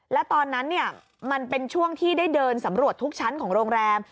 แล้วตอนนั้นมันเป็นช่วงที่ได้เดินสำรวจทุกชั้นของโรงแรม